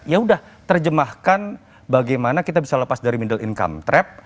ya udah terjemahkan bagaimana kita bisa lepas dari middle income trap